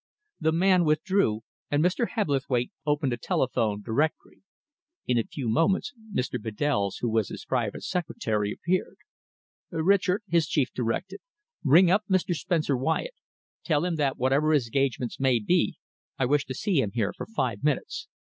The man withdrew, and Mr. Hebblethwaite opened a telephone directory. In a few moments Mr. Bedells, who was his private secretary, appeared. "Richard," his chief directed, "ring up Mr. Spencer Wyatt. Tell him that whatever his engagements may be, I wish to see him here for five minutes.